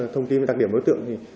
thông tin về đặc điểm đối tượng